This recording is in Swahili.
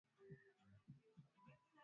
Anajua mambo mengi na yuko bado mdogo